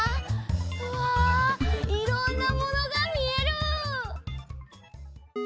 うわいろんなものがみえる！